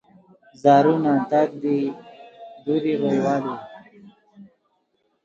زارو نان تت دی زندہ دُوری روئے والو